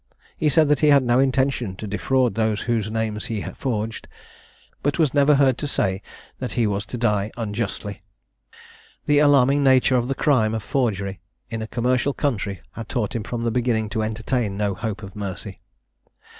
He said that he had no intention to defraud those whose names he forged; but was never heard to say that he was to die unjustly. The alarming nature of the crime of forgery, in a commercial country, had taught him from the beginning to entertain no hope of mercy.